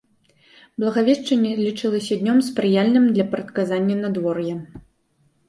Благавешчанне лічылася днём, спрыяльным для прадказання надвор'я.